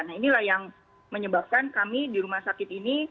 nah inilah yang menyebabkan kami di rumah sakit ini